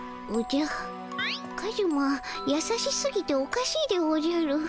おじゃカズマやさしすぎておかしいでおじゃる。